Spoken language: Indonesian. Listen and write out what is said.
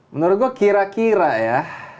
menurut gue kira kira ya